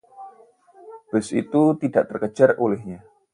bus itu tidak terkejar olehnya